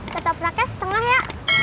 tetap raket setengah ya